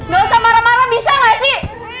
gak usah marah marah bisa nggak sih